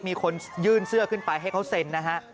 มีคนยื่นเสื้อขึ้นไปให้เขาเซ็นนะฮะ